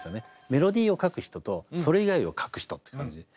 メロディーを書く人とそれ以外を書く人って感じで。